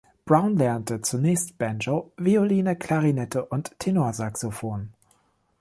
Brown lernte zunächst Banjo, Violine, Klarinette und Tenorsaxophon.